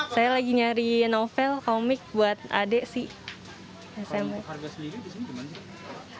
saya lagi nyari novel komik buat adek sih